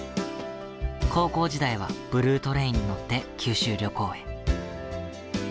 高校時代はブルートレインに乗って九州旅行へ。